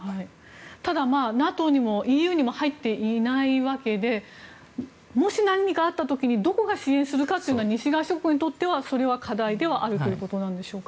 ただ、ＮＡＴＯにもＥＵにも入っていないわけでもし何かあった時にどこが支援するかというのは西側諸国にとっては課題ではあるということでしょうか。